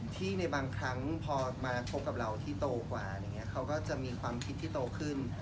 ที่ในบางครั้งพอมาคบกับเราที่โตกว่าเขาก็จะมีความคิดที่โตขึ้น